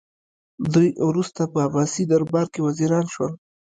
دوی وروسته په عباسي دربار کې وزیران شول